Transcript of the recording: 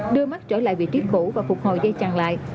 đưa mắt trở lại vị trí cũ và phục hồi dây chẳng lại